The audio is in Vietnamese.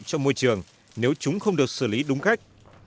cho môi trường nếu chúng không được xử lý đúng cách